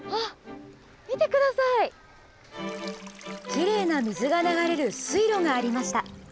きれいな水が流れる水路がありました。